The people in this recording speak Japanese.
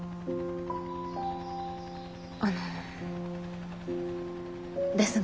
あのですが。